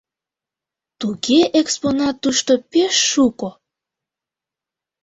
— Туге, экспонат тушто пеш шуко.